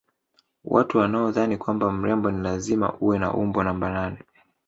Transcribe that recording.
Wapo wanaodhani kwamba mrembo ni lazima uwe na umbo namba nane